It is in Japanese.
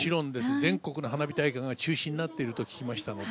全国の花火大会が中止になっていると聞きましたので。